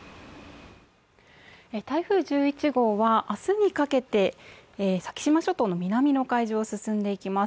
台風１１号は明日にかけて先島諸島の南の海上を進んでいきます。